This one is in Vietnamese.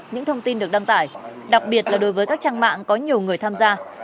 những thông tin được đăng tải đặc biệt là đối với các trang mạng có nhiều người tham gia